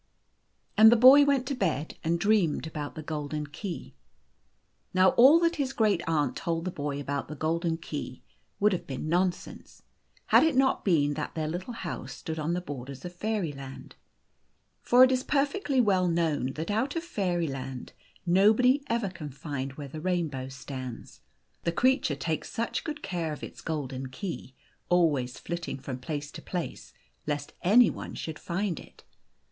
And then the boy went to bed and dreamed about the golden key. Now all that his great aunt told the boy about the golden key would have been nonsense, had it not been 172 The Golden Key 173 that their little Louse stood on the borders of Fairy laud. For it is perfectly well known that out of Fairylaud uobody ever can find where the rainbow stands. The creature takes such good care of its golden key, always flitting from place to place, lest any one should find it